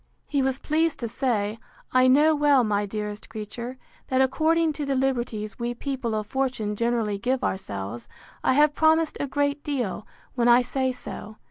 —He was pleased to say, I know well, my dearest creature, that, according to the liberties we people of fortune generally give ourselves, I have promised a great deal, when I say so.